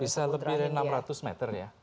bisa lebih dari enam ratus meter ya